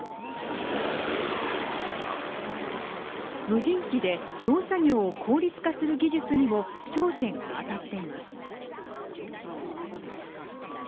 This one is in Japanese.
無人機で農作業を効率化する技術にも焦点が当たっています。